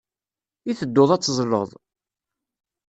I tedduḍ ad teẓẓleḍ?